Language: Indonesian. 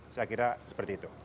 saya kira seperti itu